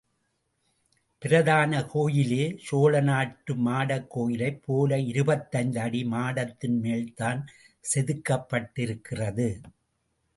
பிரதான கோயிலே சோழ நாட்டு மாடக் கோயிலைப் போல இருபத்தைந்து அடி மாடத்தின் மேல்தான் செதுக்கப்பட்டிருக்கிறது.